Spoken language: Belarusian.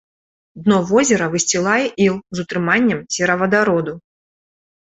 Дно возера высцілае іл з утрыманнем серавадароду.